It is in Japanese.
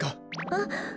あっ！